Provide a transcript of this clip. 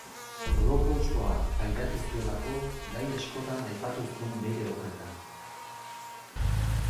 Holokaustoa pairatu zuelako gaia askotan aipatu zuen bere obretan.